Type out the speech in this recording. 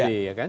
oh dana iuran